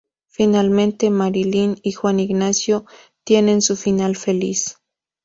Finalmente Marilyn y Juan Ignacio tienen su final feliz.